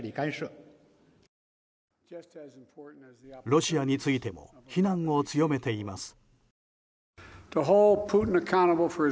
ロシアについても非難を強めています。